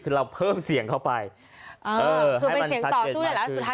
คือเราเพิ่มเสียงเข้าไปเออคือเป็นเสียงต่อสู้ได้แล้วสุดท้าย